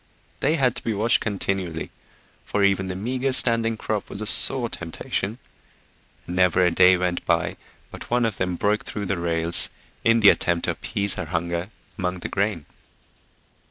They had to be watched continually, for even the meager standing crop was a sore temptation, and never a day went by but one of them broke through the rails in the attempt to appease her hunger among the grain.